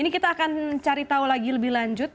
ini kita akan cari tahu lagi lebih lanjut